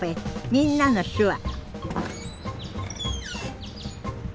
「みんなの手話」